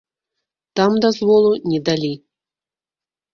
Там дазволу не далі.